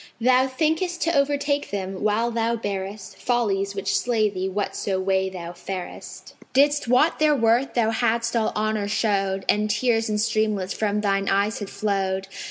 Thou thinkest to overtake them, while thou bearest Follies, which slay thee whatso way thou farest. Didst wot their worth thou hadst all honour showed, And tears in streamlets from thine eyes had flowed.